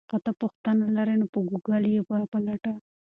که ته پوښتنه لرې نو په ګوګل کې یې وپلټه.